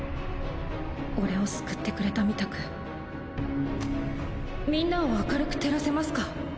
俺を救ってくれたみたくみんなを明るく照らせますか？